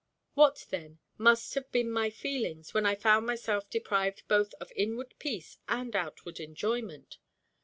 What, then, must have been my feelings, when I found myself deprived both of inward peace and outward enjoyment!